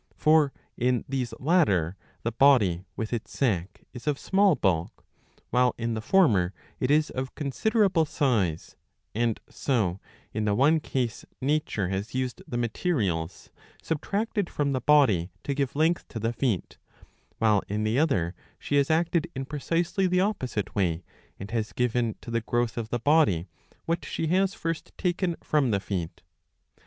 For in these latter the body with its sac is of small bulk, while in the former it is of considerable size ; and so in the one case nature has used the materials subtracted from the body to give, length to the feet, while in the other she has acted in precisely the opposite way, and has given to the growth 685 a. 8 I H IV. 9. of the body what she has first taken from the feet.